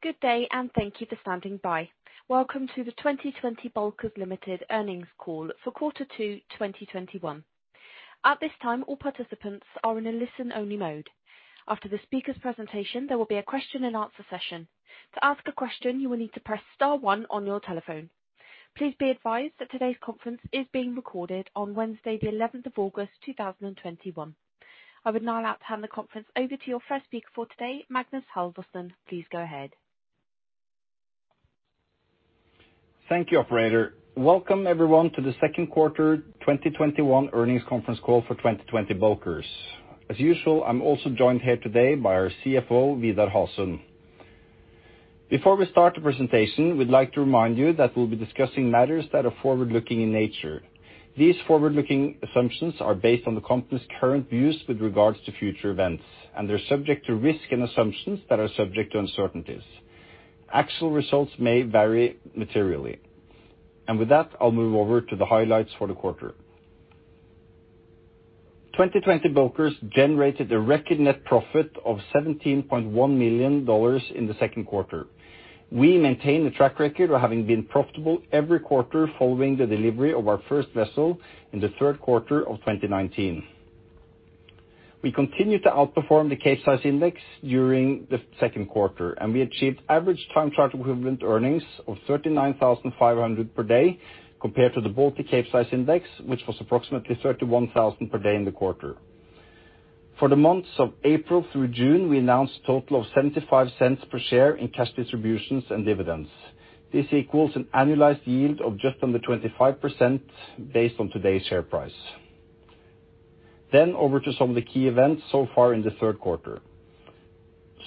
Good day, and thank you for standing by. Welcome to the 2020 Bulkers Ltd. earnings call for quarter two 2021. At this time, all participants are in a listen only mode. After the speaker's presentation, there will be a question and answer session. To ask a question, you will need to press star one on your telephone. Please be advised that today's conference is being recorded on Wednesday, the 11th of August, 2021. I would now like to hand the conference over to your first speaker for today, Magnus Halvorsen. Please go ahead. Thank you, operator. Welcome, everyone to the second quarter 2021 earnings conference call for 2020 Bulkers. As usual, I'm also joined here today by our CFO, Vidar Hasund. Before we start the presentation, we'd like to remind you that we'll be discussing matters that are forward-looking in nature. These forward-looking assumptions are based on the company's current views with regards to future events, and they're subject to risk and assumptions that are subject to uncertainties. Actual results may vary materially. With that, I'll move over to the highlights for the quarter. 2020 Bulkers generated a record net profit of $17.1 million in the second quarter. We maintain a track record of having been profitable every quarter following the delivery of our first vessel in the third quarter of 2019. We continued to outperform the Baltic Capesize Index during the second quarter, we achieved average time charter equivalent earnings of $39,500 per day compared to the Baltic Capesize Index, which was approximately $31,000 per day in the quarter. For the months of April through June, we announced total of $0.75 per share in cash distributions and dividends. This equals an annualized yield of just under 25% based on today's share price. Over to some of the key events so far in the third quarter.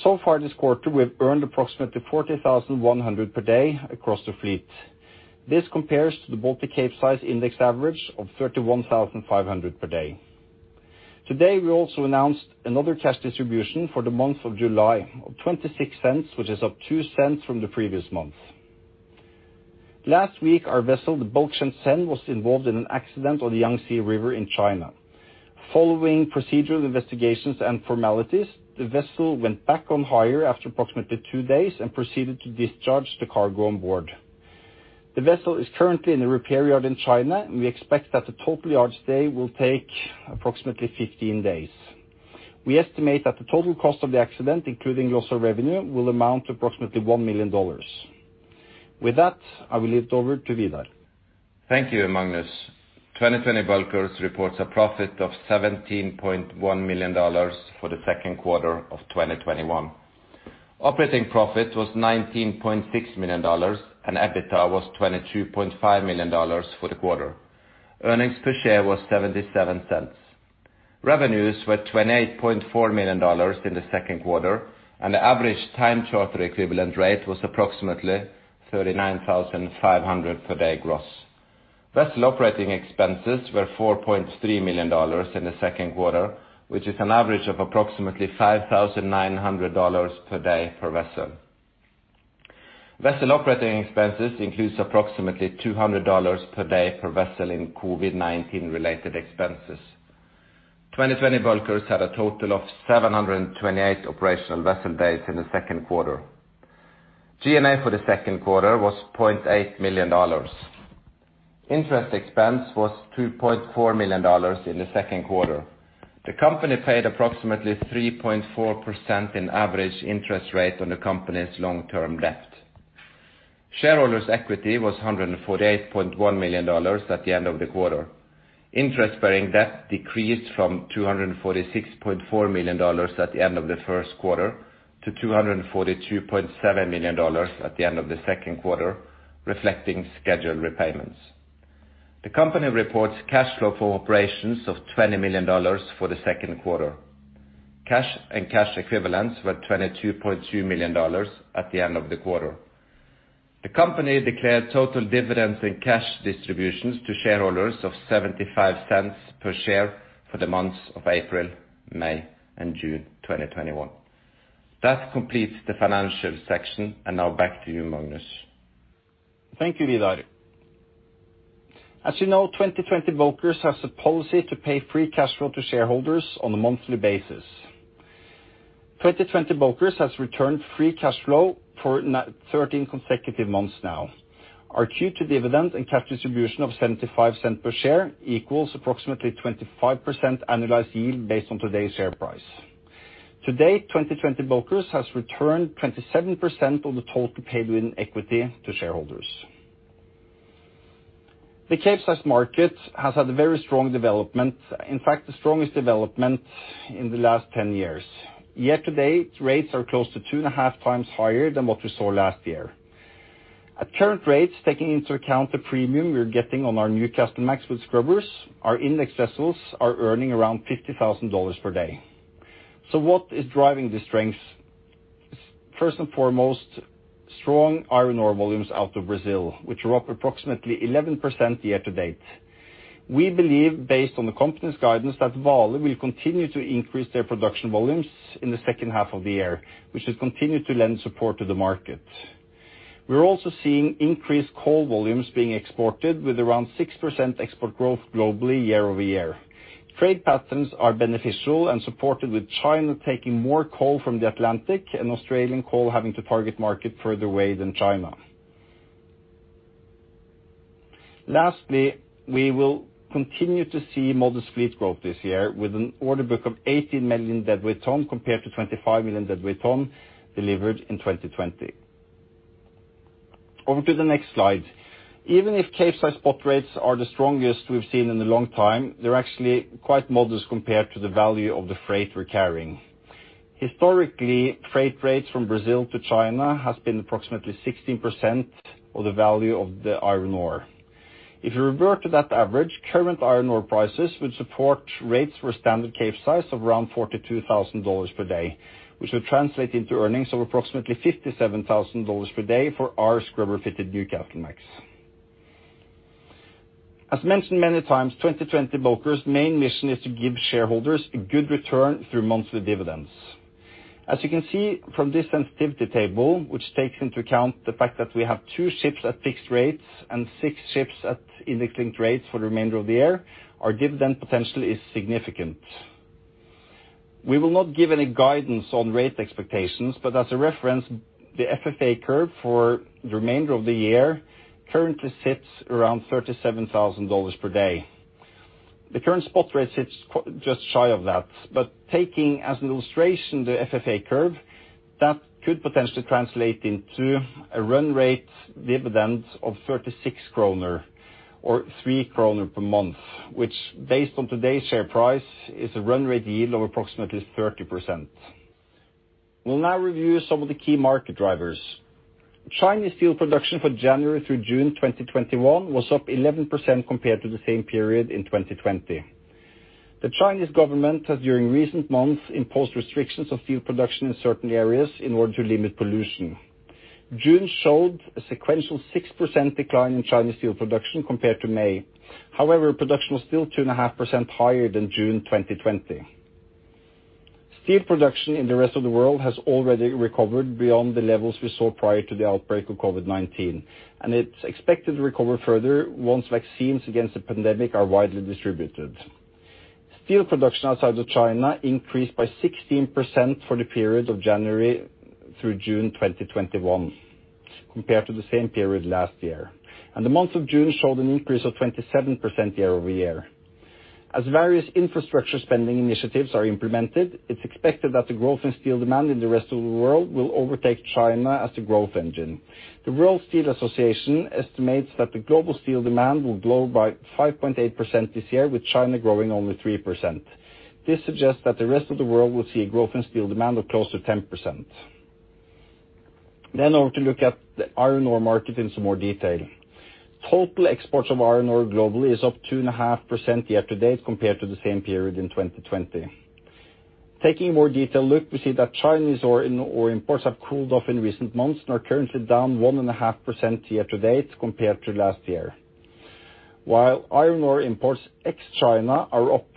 So far this quarter, we have earned approximately $40,100 per day across the fleet. This compares to the Baltic Capesize Index average of $31,500 per day. Today, we also announced another cash distribution for the month of July of $0.26, which is up $0.02 from the previous month. Last week, our vessel, the Bulk Shenzhen, was involved in an accident on the Yangtze River in China. Following procedural investigations and formalities, the vessel went back on hire after approximately two days and proceeded to discharge the cargo on board. The vessel is currently in the repair yard in China, and we expect that the total yard stay will take approximately 15 days. We estimate that the total cost of the accident, including loss of revenue, will amount to approximately $1 million. With that, I will leave it over to Vidar. Thank you, Magnus. 2020 Bulkers reports a profit of $17.1 million for the second quarter of 2021. Operating profit was $19.6 million, and EBITDA was $22.5 million for the quarter. Earnings per share was $0.77. Revenues were $28.4 million in the second quarter, and the average time charter equivalent rate was approximately $39,500 per day gross. Vessel operating expenses were $4.3 million in the second quarter, which is an average of approximately $5,900 per day per vessel. Vessel operating expenses includes approximately $200 per day per vessel in COVID-19 related expenses. 2020 Bulkers had a total of 728 operational vessel days in the second quarter. G&A for the second quarter was $0.8 million. Interest expense was $2.4 million in the second quarter. The company paid approximately 3.4% in average interest rate on the company's long-term debt. Shareholders' equity was $148.1 million at the end of the quarter. Interest-bearing debt decreased from $246.4 million at the end of the first quarter to $242.7 million at the end of the second quarter, reflecting scheduled repayments. The company reports cash flow from operations of $20 million for the second quarter. Cash and cash equivalents were $22.2 million at the end of the quarter. The company declared total dividends and cash distributions to shareholders of $0.75 per share for the months of April, May, and June 2021. That completes the financial section. Now back to you, Magnus. Thank you, Vidar. As you know, 2020 Bulkers has a policy to pay free cash flow to shareholders on a monthly basis. 2020 Bulkers has returned free cash flow for 13 consecutive months now. Our Q2 dividend and cash distribution of $0.75 per share equals approximately 25% annualized yield based on today's share price. To-date, 2020 Bulkers has returned 27% of the total paid-in equity to shareholders. The Capesize market has had a very strong development, in fact, the strongest development in the last 10 years. Year-to-date, rates are close to 2.5x higher than what we saw last year. At current rates, taking into account the premium we are getting on our Newcastlemax with scrubbers, our index vessels are earning around $50,000 per day. What is driving the strength? First and foremost, strong iron ore volumes out of Brazil, which are up approximately 11% year-to-date. We believe, based on the company's guidance, that Vale will continue to increase their production volumes in the second half of the year, which has continued to lend support to the market. We are also seeing increased coal volumes being exported with around 6% export growth globally year-over-year. Trade patterns are beneficial and supported with China taking more coal from the Atlantic and Australian coal having to target market further away than China. Lastly, we will continue to see modest fleet growth this year with an order book of 18 million deadweight ton compared to 25 million deadweight ton delivered in 2020. Over to the next slide. Even if Capesize spot rates are the strongest we've seen in a long time, they are actually quite modest compared to the value of the freight we are carrying. Historically, freight rates from Brazil to China has been approximately 16% of the value of the iron ore. If you revert to that average, current iron ore prices would support rates for a standard Capesize of around $42,000 per day, which would translate into earnings of approximately $57,000 per day for our scrubber-fitted Newcastlemax. As mentioned many times, 2020 Bulkers' main mission is to give shareholders a good return through monthly dividends. As you can see from this sensitivity table, which takes into account the fact that we have two ships at fixed rates and six ships at index-linked rates for the remainder of the year, our dividend potential is significant. We will not give any guidance on rate expectations. As a reference, the FFA curve for the remainder of the year currently sits around $37,000 per day. The current spot rate sits just shy of that. Taking as an illustration the FFA curve, that could potentially translate into a run rate dividend of 36 krona or 3 krona per month, which based on today's share price, is a run rate yield of approximately 30%. We will now review some of the key market drivers. Chinese steel production for January through June 2021 was up 11% compared to the same period in 2020. The Chinese government has during recent months imposed restrictions of steel production in certain areas in order to limit pollution. June showed a sequential 6% decline in Chinese steel production compared to May, however, production was still 2.5% higher than June 2020. Steel production in the rest of the world has already recovered beyond the levels we saw prior to the outbreak of COVID-19, and it's expected to recover further once vaccines against the pandemic are widely distributed. Steel production outside of China increased by 16% for the period of January through June 2021 compared to the same period last year. The month of June showed an increase of 27% year-over-year. As various infrastructure spending initiatives are implemented, it's expected that the growth in steel demand in the rest of the world will overtake China as the growth engine. The World Steel Association estimates that the global steel demand will grow by 5.8% this year, with China growing only 3%. This suggests that the rest of the world will see a growth in steel demand of close to 10%. Over to look at the iron ore market in some more detail. Total exports of iron ore globally is up 2.5% year-to-date compared to the same period in 2020. Taking a more detailed look, we see that Chinese ore imports have cooled off in recent months and are currently down 1.5% year-to-date compared to last year. Iron ore imports ex China are up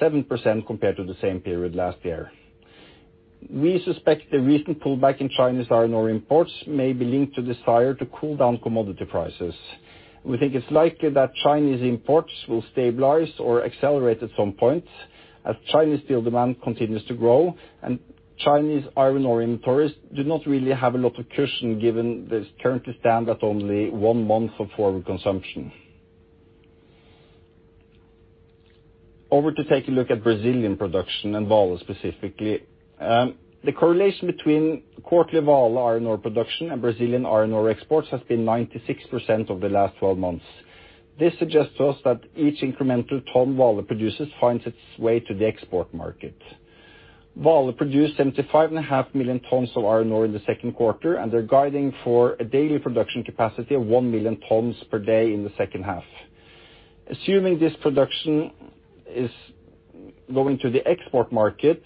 7% compared to the same period last year. We suspect the recent pullback in Chinese iron ore imports may be linked to desire to cool down commodity prices. We think it's likely that Chinese imports will stabilize or accelerate at some point as Chinese steel demand continues to grow and Chinese iron ore inventories do not really have a lot of cushion given this currently stand at only one month of forward consumption. Over to take a look at Brazilian production and Vale specifically. The correlation between quarterly Vale iron ore production and Brazilian iron ore exports has been 96% over the last 12 months. This suggests to us that each incremental ton Vale produces finds its way to the export market. Vale produced 75.5 million tons of iron ore in the second quarter, and they are guiding for a daily production capacity of 1 million tons per day in the second half. Assuming this production is going to the export market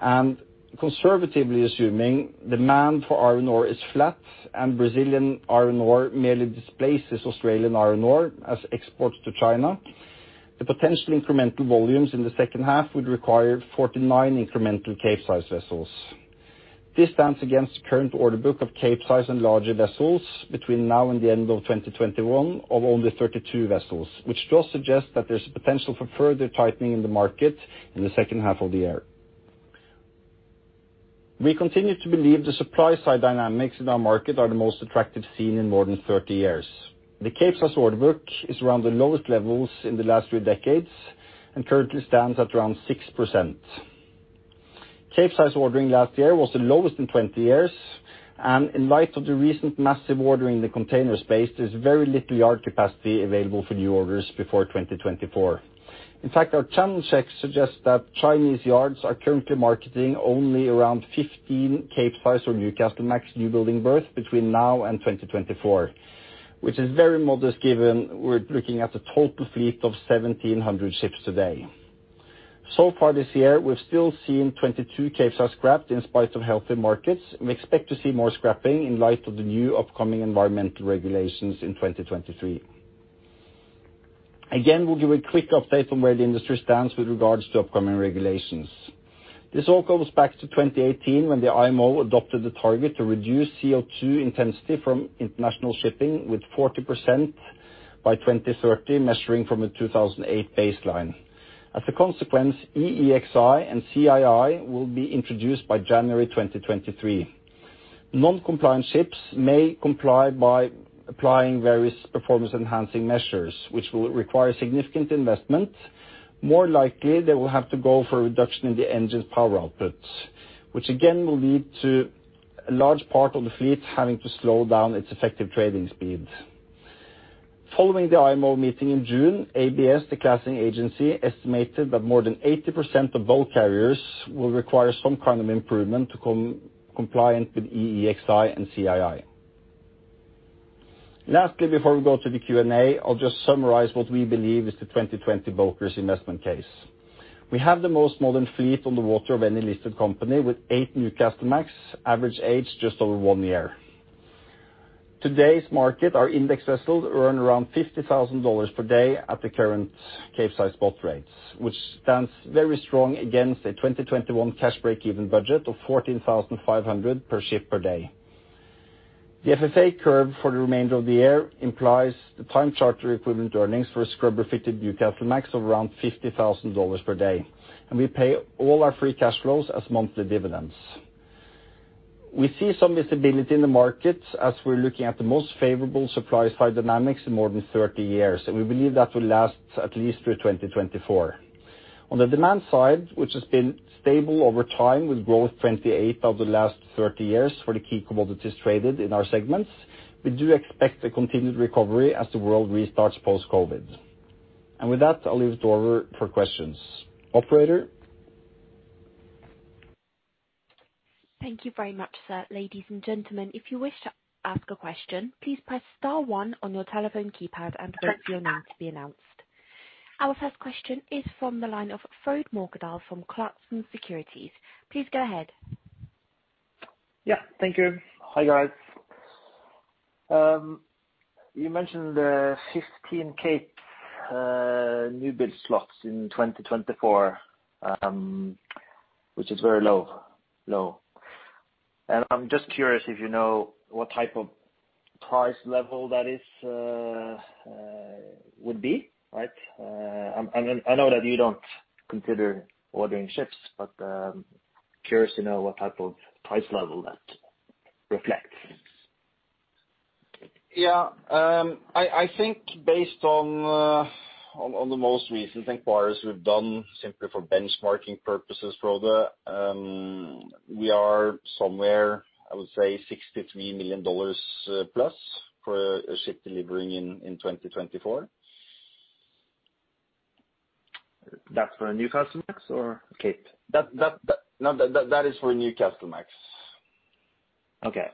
and conservatively assuming demand for iron ore is flat and Brazilian iron ore merely displaces Australian iron ore as exports to China, the potential incremental volumes in the second half would require 49 incremental Capesize vessels. This stands against current order book of Capesize and larger vessels between now and the end of 2021 of only 32 vessels, which to us suggests that there's a potential for further tightening in the market in the second half of the year. We continue to believe the supply side dynamics in our market are the most attractive seen in more than 30 years. The Capesize order book is around the lowest levels in the last three decades and currently stands at around 6%. Capesize order in last year was the lowest in 20 years and in light of the recent massive order in the container space, there's very little yard capacity available for new orders before 2024. In fact, our channel check suggests that Chinese yards are currently marketing only around 15 Capesize or Newcastlemax new building berth between now and 2024, which is very modest given we are looking at a total fleet of 1,700 ships today. Far this year, we have still seen 22 Capesize scrapped in spite of healthy markets. We expect to see more scrapping in light of the new upcoming environmental regulations in 2023. We'll give a quick update on where the industry stands with regards to upcoming regulations. This all goes back to 2018, when the IMO adopted the target to reduce CO2 intensity from international shipping with 40% by 2030, measuring from a 2008 baseline. As a consequence, EEXI and CII will be introduced by January 2023. Non-compliant ships may comply by applying various performance-enhancing measures, which will require significant investment. More likely, they will have to go for a reduction in the engine's power output, which again will lead to a large part of the fleet having to slow down its effective trading speed. Following the IMO meeting in June, ABS, the classing agency, estimated that more than 80% of bulk carriers will require some kind of improvement to come compliant with EEXI and CII. Lastly, before we go to the Q&A, I'll just summarize what we believe is the 2020 Bulkers investment case. We have the most modern fleet on the water of any listed company, with eight Newcastlemax, average age just over one year. Today's market, our index vessels earn around $50,000 per day at the current Capesize spot rates, which stands very strong against a 2021 cash breakeven budget of $14,500 per ship per day. The FFA curve for the remainder of the year implies the time charter equivalent earnings for a scrubber-fitted Newcastlemax of around $50,000 per day, and we pay all our free cash flows as monthly dividends. We see some visibility in the market as we're looking at the most favorable supply side dynamics in more than 30 years, and we believe that will last at least through 2024. On the demand side, which has been stable over time with growth 28 of the last 30 years for the key commodities traded in our segments, we do expect a continued recovery as the world restarts post-COVID-19. With that, I'll leave it over for questions. Operator? Thank you very much, sir. Ladies and gentlemen, if you wish to ask a question, please press star one on your telephone keypad and wait for your name to be announced. Our first question is from the line of Frode Mørkedal from Clarksons Securities. Please go ahead. Yeah, thank you. Hi, guys. You mentioned the 15 Capesize new build slots in 2024, which is very low. I'm just curious if you know what type of price level that would be, right? I know that you don't consider ordering ships, I'm curious to know what type of price level that reflects. Yeah. I think based on the most recent inquiries we've done simply for benchmarking purposes, Frode, we are somewhere, I would say $63+ million for a ship delivering in 2024. That's for a Newcastlemax or Cape? No, that is for a Newcastlemax. Okay.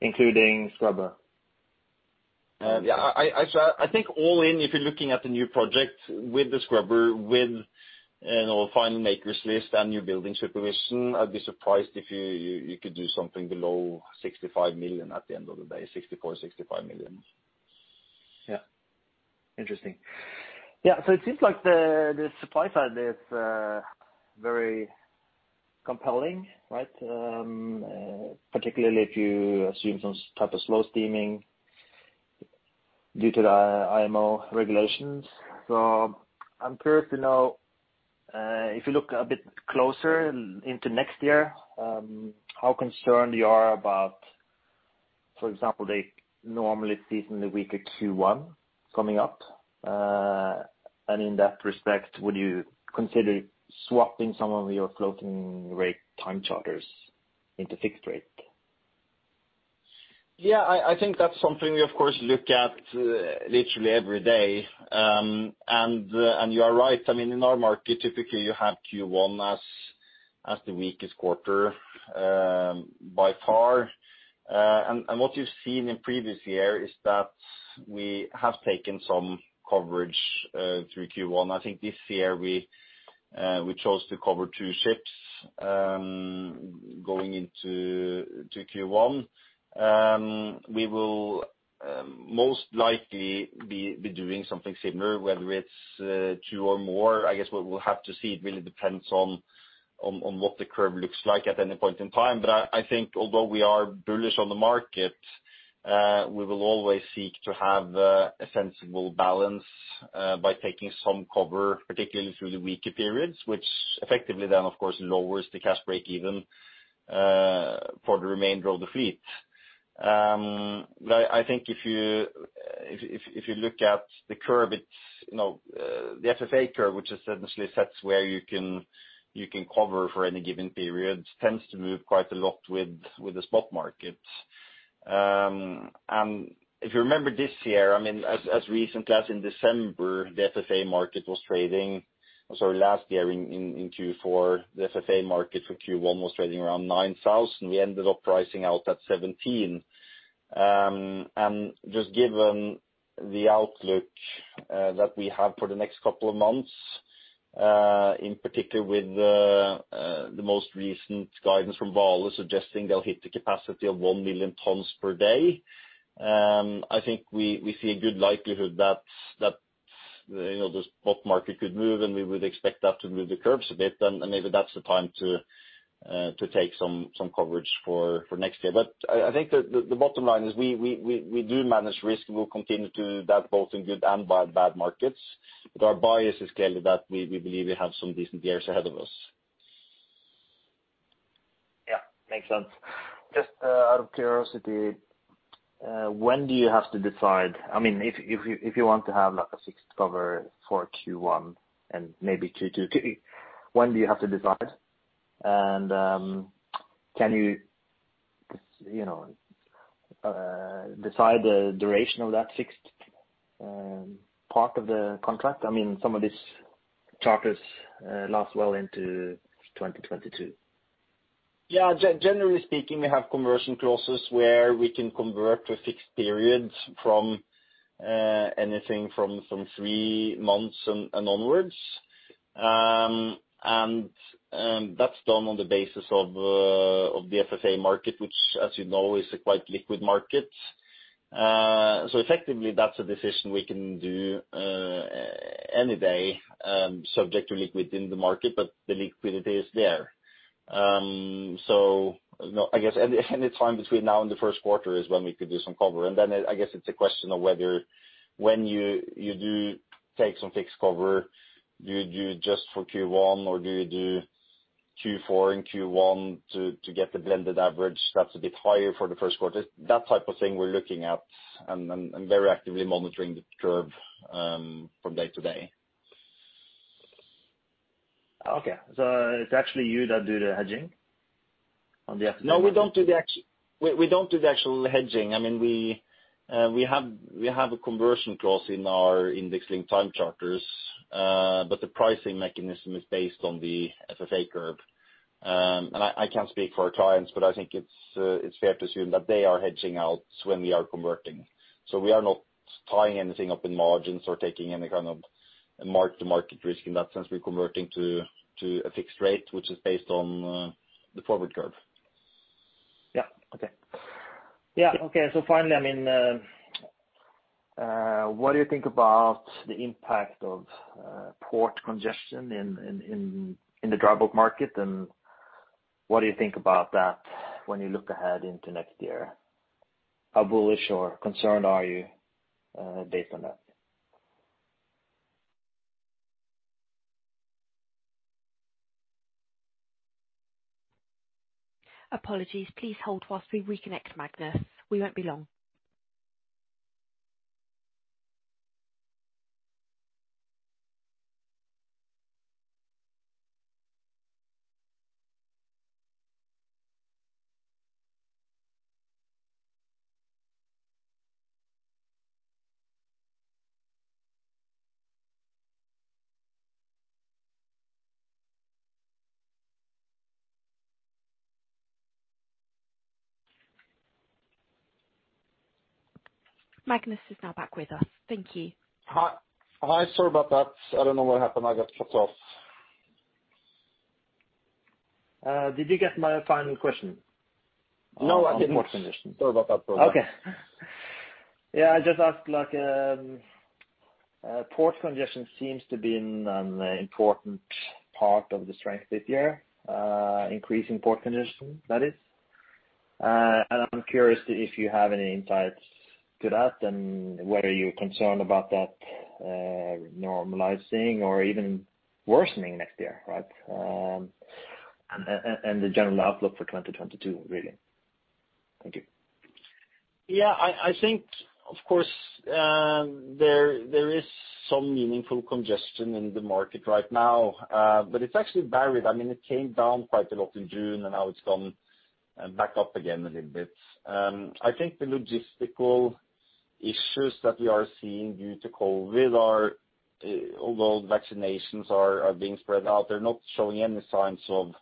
Including scrubber? Yeah. I think all in, if you're looking at the new project with the scrubber, with final makers list and new building supervision, I would be surprised if you could do something below $65 million at the end of the day. $64, $65 million. Yeah. Interesting. It seems like the supply side is very compelling, right? Particularly if you assume some type of slow steaming due to the IMO regulations. I'm curious to know, if you look a bit closer into next year, how concerned you are about, for example, the normally seasonally weaker Q1 coming up. In that respect, would you consider swapping some of your floating rate time charters into fixed rate? Yeah, I think that's something we of course, look at literally every day. You are right. In our market, typically you have Q1 as the weakest quarter by far. What you've seen in previous year is that we have taken some coverage through Q1. I think this year we chose to cover two ships going into Q1. We will most likely be doing something similar, whether it's two or more. I guess we'll have to see. It really depends on what the curve looks like at any point in time. I think although we are bullish on the market, we will always seek to have a sensible balance by taking some cover, particularly through the weaker periods, which effectively then, of course, lowers the cash breakeven for the remainder of the fleet. I think if you look at the FFA curve, which essentially sets where you can cover for any given period, tends to move quite a lot with the spot market. If you remember this year, as recent as in December, the FFA market was trading, sorry, last year in Q4, the FFA market for Q1 was trading around $9,000. We ended up pricing out at $17,000. Just given the outlook that we have for the next couple of months. In particular, with the most recent guidance from Vale suggesting they'll hit the capacity of 1 million tons per day. I think we see a good likelihood that the spot market could move, and we would expect that to move the curves a bit, and maybe that's the time to take some coverage for next year. I think the bottom line is we do manage risk and we'll continue to do that both in good and bad markets. Our bias is clearly that we believe we have some decent years ahead of us. Yeah, makes sense. Just out of curiosity, when do you have to decide? If you want to have a fixed cover for Q1 and maybe Q2, Q3, when do you have to decide? Can you decide the duration of that fixed part of the contract? Some of these charters last well into 2022. Yeah. Generally speaking, we have conversion clauses where we can convert to fixed periods from anything from three months and onwards. That's done on the basis of the FFA market, which as you know, is a quite liquid market. Effectively, that's a decision we can do any day, subject to liquidity in the market, but the liquidity is there. I guess any time between now and the first quarter is when we could do some cover. Then I guess it's a question of whether when you do take some fixed cover, do you do just for Q1 or do you do Q4 and Q1 to get the blended average that's a bit higher for the first quarter? That type of thing we're looking at and very actively monitoring the curve from day-to-day. Okay. It's actually you that do the hedging on the- No, we don't do the actual hedging. We have a conversion clause in our indexing time charters. The pricing mechanism is based on the FFA curve. I can't speak for our clients, but I think it's fair to assume that they are hedging out when we are converting. We are not tying anything up in margins or taking any kind of mark to market risk in that sense. We're converting to a fixed rate, which is based on the forward curve. Yeah. Okay. Finally, what do you think about the impact of port congestion in the dry bulk market? What do you think about that when you look ahead into next year? How bullish or concerned are you based on that? Apologies, please hold while we reconnect Magnus. We won't be long. Magnus is now back with us. Thank you. Hi. Sorry about that. I don't know what happened. I got shut off. Did you get my final question? No, I didn't. On port congestion. Sorry about that. Okay. Yeah, I just asked, port congestion seems to be an important part of the strength this year, increasing port congestion, that is. I'm curious to if you have any insights to that and whether you're concerned about that normalizing or even worsening next year. Right? The general outlook for 2022, really? Thank you. I think, of course, there is some meaningful congestion in the market right now. It's actually varied. It came down quite a lot in June, and now it's gone back up again a little bit. I think the logistical issues that we are seeing due to COVID are, although vaccinations are being spread out, they're not showing any signs of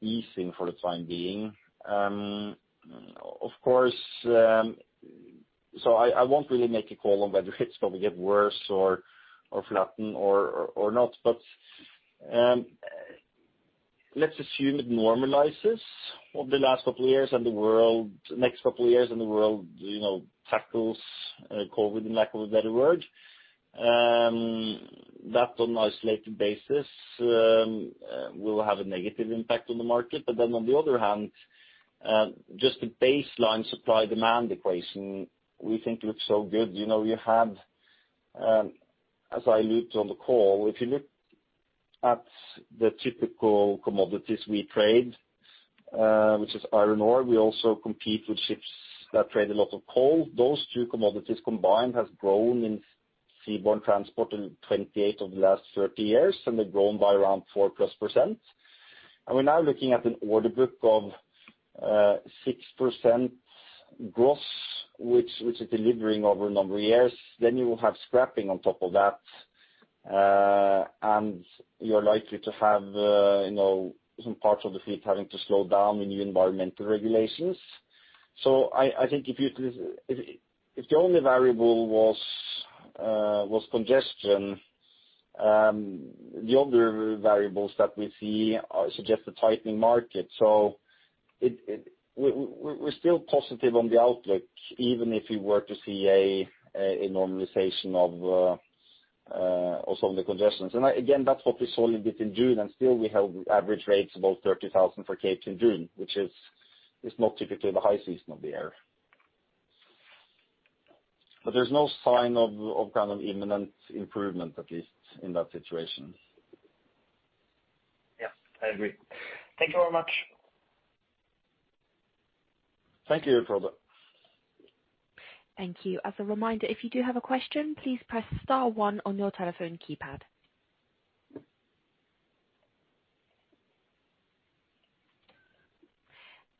easing for the time being. I won't really make a call on whether it's going to get worse or flatten or not. Let's assume it normalizes over the next couple of years and the world tackles COVID, for lack of a better word. That on an isolated basis will have a negative impact on the market. On the other hand, just the baseline supply-demand equation we think looks so good. As I alluded on the call, if you look at the typical commodities we trade, which is iron ore, we also compete with ships that trade a lot of coal. Those two commodities combined have grown in seaborne transport in 28 of the last 30 years. They've grown by around 4+ percent. We're now looking at an order book of 6% gross, which is delivering over a number of years. You have scrapping on top of that. You're likely to have some parts of the fleet having to slow down in the environmental regulations. I think if the only variable was congestion, the other variables that we see suggest a tightening market. We're still positive on the outlook, even if we were to see a normalization of some of the congestions. Again, that's what we saw a little bit in June. Still, we held average rates above $30,000 for Cape in June, which is not typically the high season of the year. There's no sign of imminent improvement, at least, in that situation. Yeah, I agree. Thank you very much. Thank you. Thank you. As a reminder, if you do have a question, please press star one on your telephone keypad.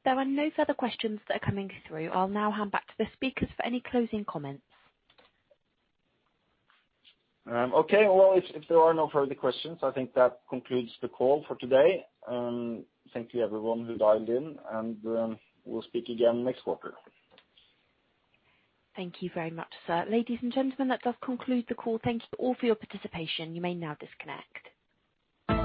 There are no further questions that are coming through. I'll now hand back to the speakers for any closing comments. Okay. Well, if there are no further questions, I think that concludes the call for today. Thank you everyone who dialed in, and we'll speak again next quarter. Thank you very much, sir. Ladies and gentlemen, that does conclude the call. Thank you all for your participation. You may now disconnect.